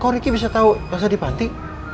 kok ricky bisa tau elsa di panti